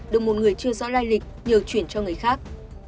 được một người chưa rõ lai lịch nhờ chuyển cho người khác